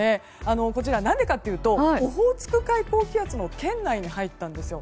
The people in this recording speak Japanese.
何でかというとオホーツク海高気圧の圏内に入ったんです。